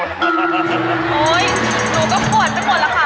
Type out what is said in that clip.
หนูกับปวดจะหมดแล้วค่ะล้าวไปหมดแล้วเนี๊ยะ